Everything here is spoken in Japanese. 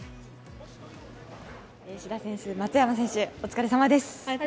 志田選手、松山選手お疲れさまです。